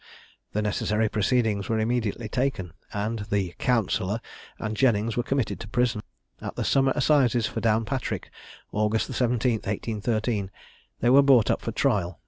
The necessary proceedings were immediately taken, and the counsellor and Jennings were committed to prison. At the summer assizes for Downpatrick, August the 17th, 1813, they were brought up for trial.